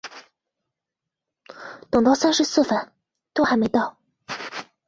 等到三十四分都还没到